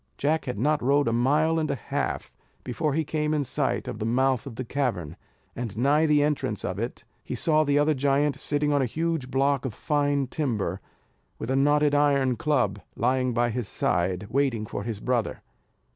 Jack had not rode a mile and a half, before he came in sight of the mouth of the cavern; and nigh the entrance of it, he saw the other giant sitting on a huge block of fine timber, with a knotted iron club lying by his side, waiting for his brother.